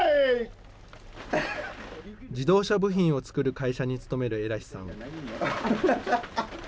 自動車部品を作る会社に勤めるエラヒさん。